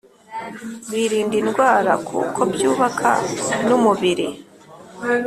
birinda indwara, kuko byubaka numubiri